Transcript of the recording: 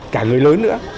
cả người lớn nữa